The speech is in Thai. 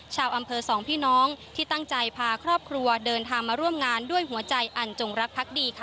ชาวอำเภอสองพี่น้องที่ตั้งใจพาครอบครัวเดินทางมาร่วมงานด้วยหัวใจอันจงรักพักดีค่ะ